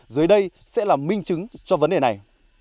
dưới đây sẽ là minh chứng cho vấn đề này